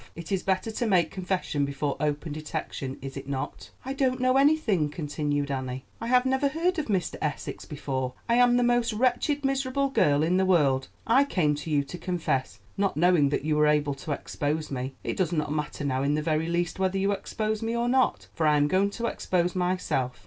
It is better to make confession before open detection, is it not?" "I don't know anything," continued Annie; "I have never heard of Mr. Essex before. I am the most wretched, miserable girl in the world. I came to you to confess, not knowing that you were able to expose me. It does not matter now in the very least whether you expose me or not, for I am going to expose myself.